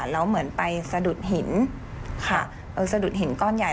แล้วเหมือนไปสะดุดหินค่ะสะดุดหินก้อนใหญ่